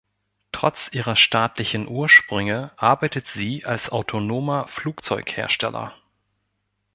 Trotz ihrer staatlichen Ursprünge arbeitet sie als autonomer Flugzeughersteller.